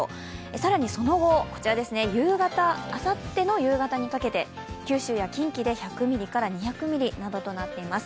更にその後、あさっての夕方にかけて九州や近畿で１００ミリから２００ミリなどとなっています。